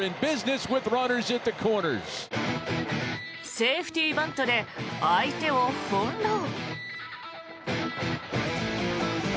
セーフティーバントで相手を翻ろう。